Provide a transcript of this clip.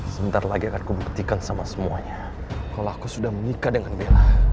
sebentar lagi akan kubuktikan sama semuanya kalau aku sudah menikah dengan bella